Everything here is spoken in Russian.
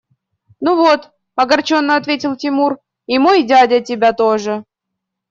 – Ну вот, – огорченно ответил Тимур, – и мой дядя тебя тоже!